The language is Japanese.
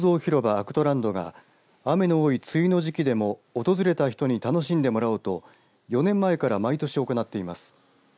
アクトランドが雨の多い梅雨の時期でも訪れた人に楽しんでもらおうと４年前から毎年行っています。